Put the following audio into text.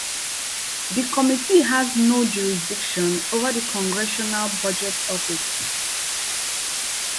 The committee has jurisdiction over the Congressional Budget Office.